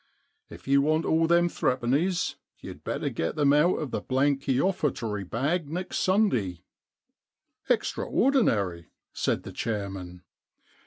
If you want all them threepennies, you'd better get them out of the blanky ofFertory bag next Sunday 1 '* Extraordinary,' said the chairman.